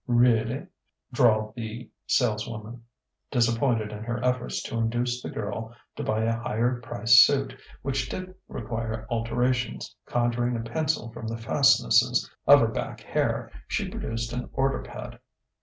"Reully?" drawled the saleswoman, disappointed in her efforts to induce the girl to buy a higher priced suit which did require alterations. Conjuring a pencil from the fastnesses of her back hair, she produced an order pad.